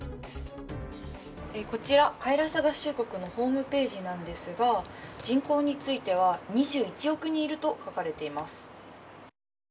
こちら、カイラサ合衆国のホームページなんですが人口については２１億人いると書かれています。